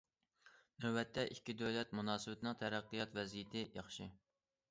نۆۋەتتە، ئىككى دۆلەت مۇناسىۋىتىنىڭ تەرەققىيات ۋەزىيىتى ياخشى.